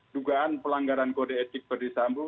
dugaan pelanggaran kode etik ferdisambu